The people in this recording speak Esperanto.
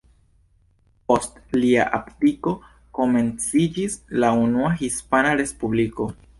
Post lia abdiko, komenciĝis la Unua Hispana Respubliko.